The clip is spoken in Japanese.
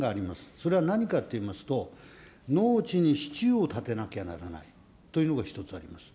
それは何かっていいますと、農地に支柱を立てなきゃならないということが１つあります。